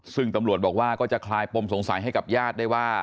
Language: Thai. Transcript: ซึ่งตำรวจบอกว่าก็จะคลายปมสงสัยให้กับญาติได้ว่า